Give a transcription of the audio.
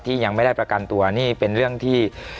ยังไม่ได้ประกันตัวนี่เป็นเรื่องที่